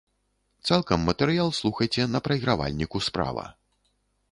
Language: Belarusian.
Цалкам матэрыял слухайце на прайгравальніку справа.